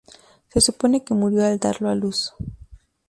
Se supone que murió al darlo a luz.